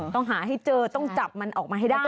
ต้องหาให้เจอต้องจับมันออกมาให้ได้